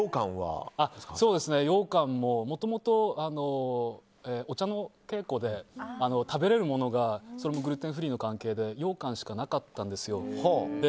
ようかんも、もともとお茶の稽古で食べれるものがそれもグルテンフリーの関係でようかんしかなかったんですよ。